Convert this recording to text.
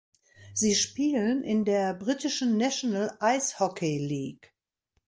Sie spielen in der britischen National Ice Hockey League.